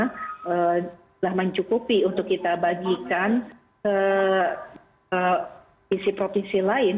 sudah mencukupi untuk kita bagikan ke provinsi provinsi lain